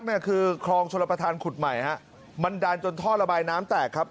เนี่ยคือคลองชลประธานขุดใหม่ฮะมันดันจนท่อระบายน้ำแตกครับ